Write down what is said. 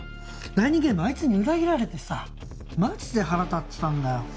第２ゲームあいつに裏切られてさマジで腹立ってたんだよ。